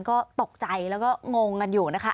ก็ตกใจแล้วก็งงกันอยู่นะคะ